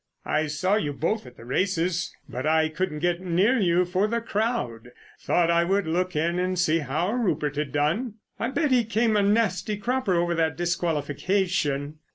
"I saw you both at the races, but I couldn't get near you for the crowd. Thought I would look in and see how Rupert had done. I bet he came a nasty cropper over that disqualification.